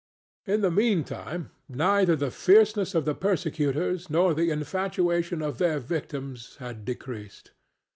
In the mean time, neither the fierceness of the persecutors nor the infatuation of their victims had decreased.